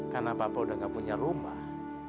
karena papa udah gak punya rumah